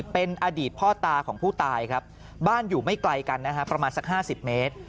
เป็นอดีตพ่อตาของผู้ตายครับบ้านอยู่ไม่ไกลกันนะฮะประมาณสัก๕๐เมตร